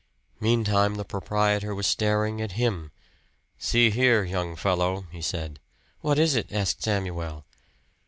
Meantime the proprietor was staring at him. "See here, young fellow," he said. "What is it?" asked Samuel.